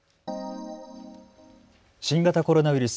新型コロナウイルス。